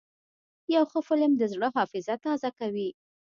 یو ښه فلم د زړه حافظه تازه کوي.